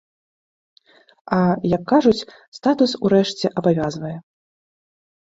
А, як кажуць, статус урэшце абавязвае.